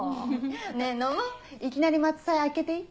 ねぇ飲もういきなり松祭開けていい？